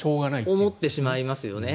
思ってしまいますよね。